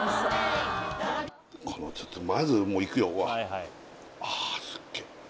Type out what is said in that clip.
このちょっとまずもういくよあスッゲ